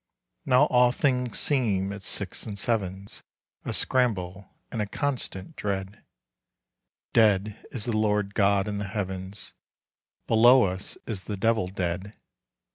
Now all things seem at six and sevens, A scramble and a constant dread; Dead is the Lord God in the heavens, Below us is the devil dead.